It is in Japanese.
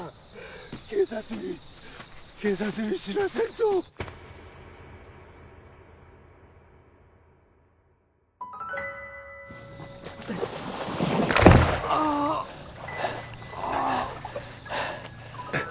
警察に警察に知らせんとあああっ